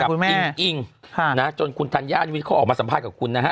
อิงอิงจนคุณธัญญาวิทย์เขาออกมาสัมภาษณ์กับคุณนะฮะ